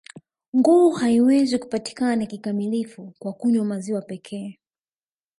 Nguvu haiwezi kupatikana kikamilifu kwa kunywa maziwa pekee